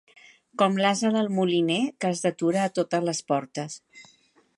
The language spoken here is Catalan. Com l'ase del moliner, que es detura a totes les portes.